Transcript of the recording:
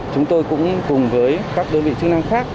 chúng tôi cũng cùng với các đơn vị chức năng khác